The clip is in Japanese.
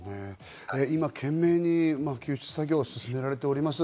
今、懸命に救出作業が進められています。